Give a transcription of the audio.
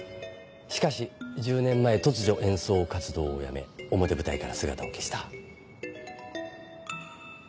しかし１０年前突如演奏活動をやめ表舞台から姿を消した。